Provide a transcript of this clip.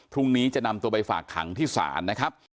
พรุ่งนี้จะนำตัวไปฝากขังที่ศาลนะครับ